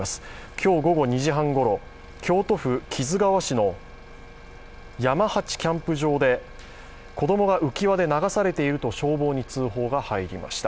今日午後２時半ごろ京都府木津川市の山八キャンプ場で子供が浮き輪で流されていると消防に通報が入りました。